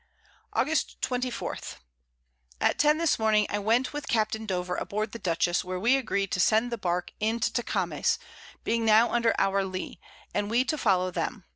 August 24. At 10 this Morning, I went with Captain Dover aboard the Dutchess, where we agreed to send the Bark into Tecames, being now under our Lee, and we to follow them.